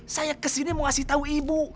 saya kesini mau ngasih tahu ibu